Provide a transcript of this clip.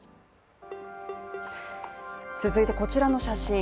続いて、こちらの写真。